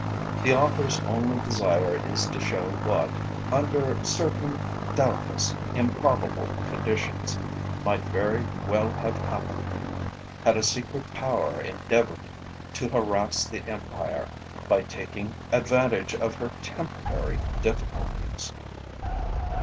The Author's only desire is to show what, under certain, doubtless improbable, conditions, might very well have happened, had a secret power endeavoured to harass the Empire by taking advantage of her temporary difficulties.